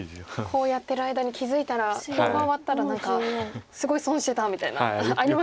コウをやってる間に気付いたらコウが終わったら何かすごい損してたみたいなありますよね。